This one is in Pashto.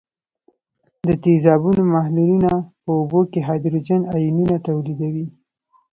د تیزابونو محلولونه په اوبو کې هایدروجن آیونونه تولیدوي.